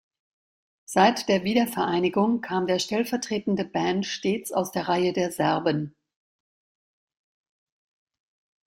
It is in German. Seit der Wiedervereinigung kam der stellvertretende Ban stets aus der Reihe der Serben.